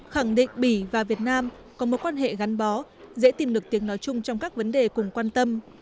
khẳng định bỉ và việt nam có mối quan hệ gắn bó dễ tìm được tiếng nói chung trong các vấn đề cùng quan tâm